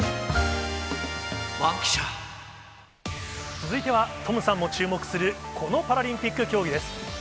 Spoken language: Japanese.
続いてはトムさんも注目する、このパラリンピック競技です。